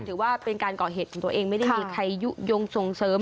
ถือว่าเป็นการก่อเหตุของตัวเองไม่ได้มีใครยุโยงส่งเสริม